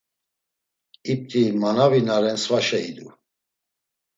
İpt̆i manavi na ren svaşe idu.